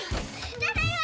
ただいま！